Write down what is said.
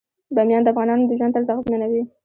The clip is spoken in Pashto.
بامیان د افغانانو د ژوند طرز اغېزمنوي.